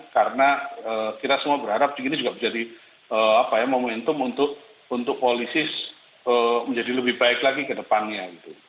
karena kita semua berharap begini juga menjadi momentum untuk polisis menjadi lebih baik lagi ke depannya